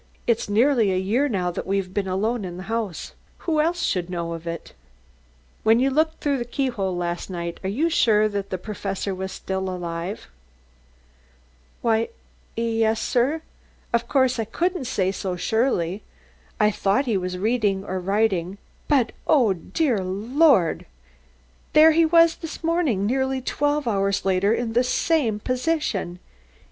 It's nearly a year now that we've been alone in the house. Who else should know of it?" "When you looked through the keyhole last night, are you sure that the Professor was still alive?" "Why, yes, sir; of course I couldn't say so surely. I thought he was reading or writing, but oh, dear Lord! there he was this morning, nearly twelve hours later, in just the same position."